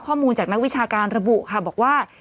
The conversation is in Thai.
ข้อมูลจากนักวิชาการระบุค่ะบอกว่า